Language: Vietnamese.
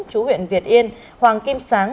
chú huyện việt yên hoàng kim sáng